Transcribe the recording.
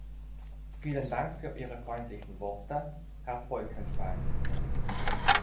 Vielen Dank für Ihre freundlichen Worte, Herr Bolkestein.